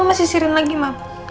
jadi mama sisirin lagi mbak